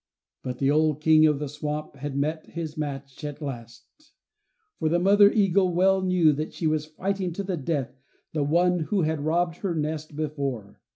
But the old King of the swamp had met his match at last, for the mother eagle well knew that she was fighting to the death the one who had robbed her nest before.